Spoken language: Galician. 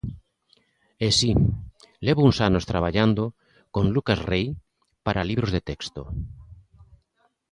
E si, levo uns anos traballando con Lucas Rei para libros de texto.